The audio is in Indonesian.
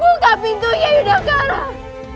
buka pintunya ida karim